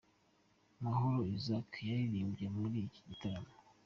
Mahoro Isaac yaririmbye muri iki gitaramo.